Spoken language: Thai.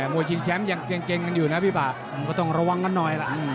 มวยชิงแชมป์ดูอย่างเกร็งอยู่นะพี่ปะต้องระวังกันหน่อยละ